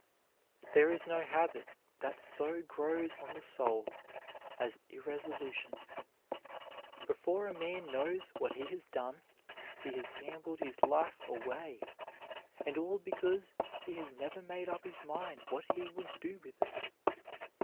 There is no habit that so grows on the soul as irresolution. Before a man knows what he has done, he has gambled his life away, and all because he has never made up his mind what he would do with it.